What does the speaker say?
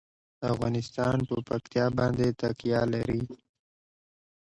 افغانستان په پکتیا باندې تکیه لري.